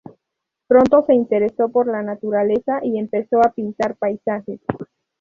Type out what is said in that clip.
Pronto se interesó por la naturaleza y empezó a pintar paisajes.